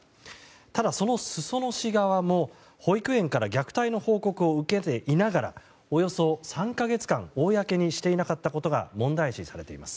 ただ、その裾野市側も保育園から虐待の報告を受けていながら、およそ３か月間公にしていなかったことが問題視されています。